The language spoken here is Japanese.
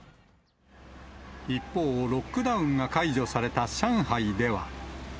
一方、ロックダウンが解除された上海では。